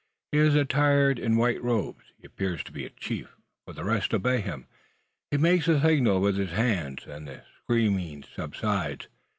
He is attired in white robes. He appears to be a chief; for the rest obey him. He makes a signal with his hands, and the screaming subsides.